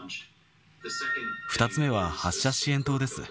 ２つ目は、発射支援棟です。